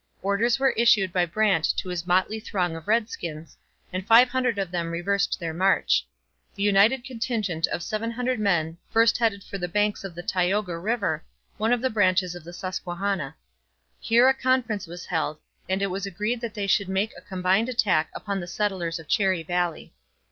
Orders were issued by Brant to his motley throng of redskins, and five hundred of them reversed their march. The united contingent of seven hundred men first headed for the banks of the Tioga river, one of the branches of the Susquehanna. Here a conference was held, and it was agreed that they should make a combined attack upon the settlers of Cherry Valley.